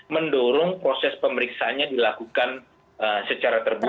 mendorong proses pemeriksaannya dilakukan secara terbuka